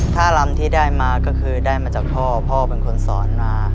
ถ้ารำที่ได้มาก็คือได้มาจากพ่อพ่อเป็นคนสอนมา